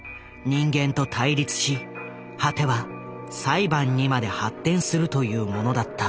人間と対立し果ては裁判にまで発展するというものだった。